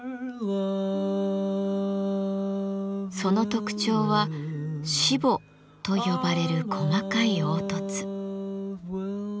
その特徴はしぼと呼ばれる細かい凹凸。